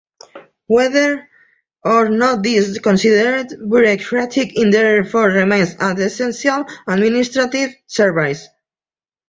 Whether or not this is considered "bureaucratic", it therefore remains an essential administrative service.